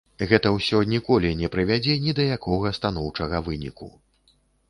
Гэта ўсё ніколі не прывядзе ні да якога станоўчага выніку.